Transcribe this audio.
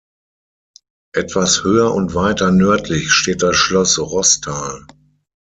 Etwas höher und weiter nördlich steht das Schloss Roßthal.